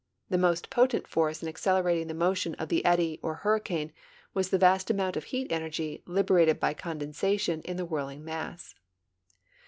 The most potent force in accelerating the motion of the eddy or hurricane was the vast amount of heat energy liberated by condensation in the whirling mass.